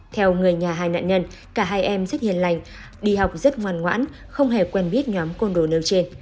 theo người nhà hai nạn nhân cả hai em rất hiền lành đi học rất ngoan ngoãn không hề quen biết nhóm côn đồ nêu trên